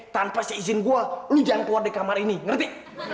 tanpa izin gue lo jangan keluar dari kamar ini ngerti